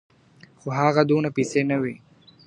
خو هغه دونه پیسې نه وې .